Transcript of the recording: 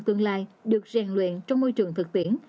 tương lai được rèn luyện trong môi trường thực tiễn